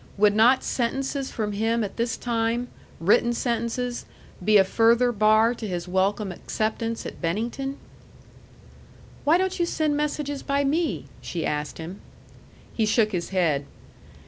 Would not sentences from him at this time written sentences be a further bar to his welcome acceptance at Bennington? "Why don't you send messages by me?" she asked him. He shook his head.